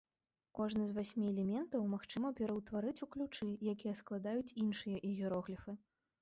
Кожны з васьмі элементаў магчыма пераўтварыць у ключы, якія складаюць іншыя іерогліфы.